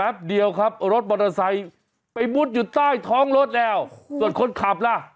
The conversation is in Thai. เดียวครับรถมอเตอร์ไซค์ไปมุดอยู่ใต้ท้องรถแล้วส่วนคนขับล่ะ